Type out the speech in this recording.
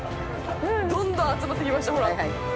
どんどん集まってきました、ほら。